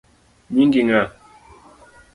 Nyingi ng’a?